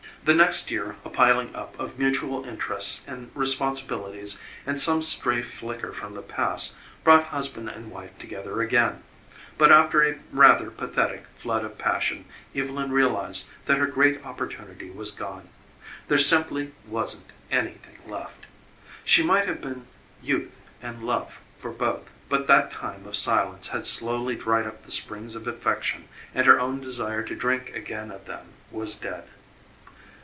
The next year a piling up of mutual interests and responsibilities and some stray flicker from the past brought husband and wife together again but after a rather pathetic flood of passion Evylyn realized that her great opportunity was gone. There simply wasn't anything left. She might have been youth and love for both but that time of silence had slowly dried up the springs of affection and her own desire to drink again of them was dead.